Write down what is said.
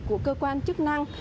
của cơ quan chức năng